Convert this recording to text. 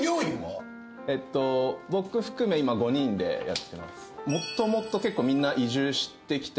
僕含め今５人でやってます。